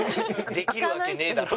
「できるわけねえだろ」